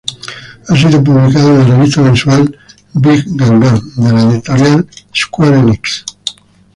Ha sido publicado en la revista mensual "Big Gangan" de la editorial Square Enix.